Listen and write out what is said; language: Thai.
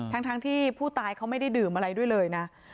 ทั้งที่ผู้ตายเขาไม่ได้ดื่มอะไรด้วยเลยนะ